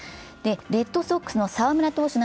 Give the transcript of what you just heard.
レッドソックスの澤村投手